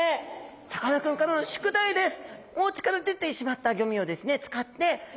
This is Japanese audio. さかなクンからの宿題です。